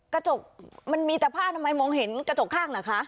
กระจกมันมีแต่ผ้าทำไมมองเห็นกระจกข้างเหรอคะ